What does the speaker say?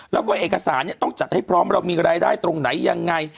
แล้วก็เอกสารเนี่ยต้องจัดให้พร้อมเรามีรายได้ตรงไหนยังไง